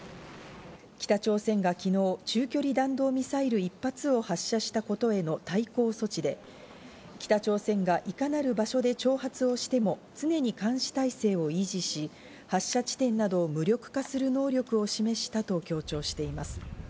北朝鮮が昨日、中距離弾道ミサイル１発を発射したことへの対抗措置で、北朝鮮がいかなる場所で挑発をしても常に監視態勢を維持し、発射地点などを無力化する能力を示したと強調しています。